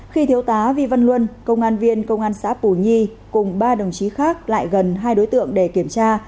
khi thiếu tá vi văn luân công an viên công an xã pù nhi cùng ba đồng chí khác lại gần hai đối tượng để kiểm tra